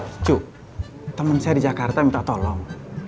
secu teman saya di jakarta minta tolong